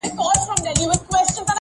چي په رګونو کی ساه وچلوي؛